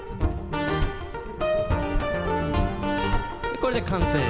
これで完成。